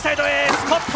スコット。